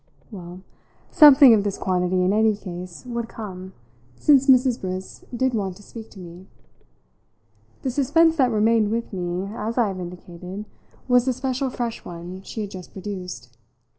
Well, something of this quantity, in any case, would come, since Mrs. Briss did want to speak to me. The suspense that remained with me, as I have indicated, was the special fresh one she had just produced.